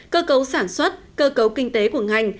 cơ cấu sản xuất cơ cấu kinh tế của ngành